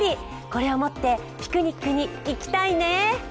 これを持ってピクニックに行きたいね！